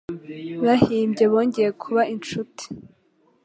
Bahimbye bongera kuba inshuti.